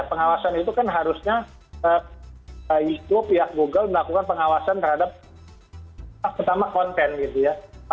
pengawasan itu kan harusnya youtube pihak google melakukan pengawasan terhadap pertama konten gitu ya